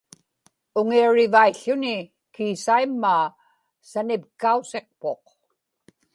uŋiarivaił̣ł̣uni kiisaimmaa sanipkausiqpuq